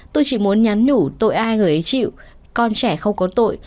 tôi chỉ muốn nhắn nhủ tội ai người ấy chịu con trẻ không có tội